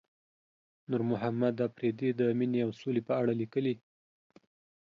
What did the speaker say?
نورمحمد اپريدي د مينې او سولې په اړه ليکلي.